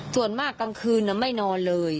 ส่วนมากกลางคืนไม่นอนเลย